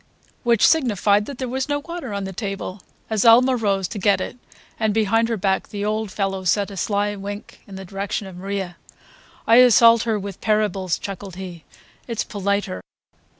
Which signified that there was no water on the table. Azalma rose to get it, and behind her back the old fellow sent a sly wink in the direction of Maria. "I assault her with parables," chuckled he. "It's politer."